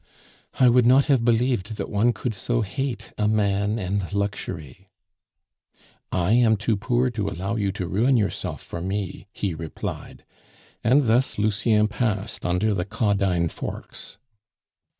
"I would not have believed that one could so hate a man and luxury " "I am too poor to allow you to ruin yourself for me," he replied. And thus Lucien passed under the Caudine Forks.